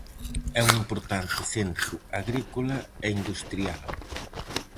É un importante centro agrícola e industrial.